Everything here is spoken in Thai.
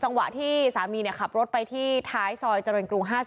จังหวะที่สามีขับรถไปที่ท้ายซอยเจริญกรุง๕๐